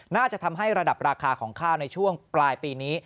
น่าจะทำให้ระดับราคาของข้าวในช่วงปลายปีนี้